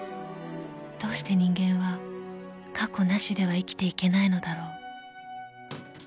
［どうして人間は過去なしでは生きていけないのだろう］